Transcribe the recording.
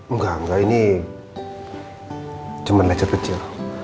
nggak nggak ini cuma lecet kecil